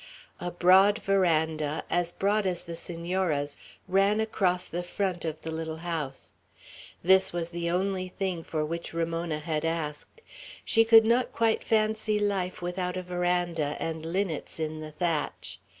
A broad veranda, as broad as the Senora's, ran across the front of the little house. This was the only thing for which Ramona had asked. She could not quite fancy life without a veranda, and linnets in the thatch.